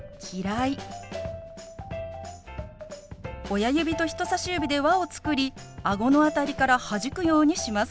親指と人さし指で輪を作りあごの辺りからはじくようにします。